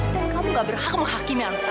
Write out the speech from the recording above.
dan kamu gak berhak menghakimi anak saya